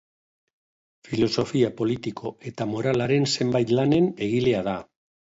Filosofia politiko eta moralaren zenbait lanen egilea da.